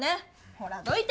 ほらどいて！